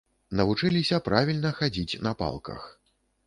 Навучыліся правільна хадзіць на палках.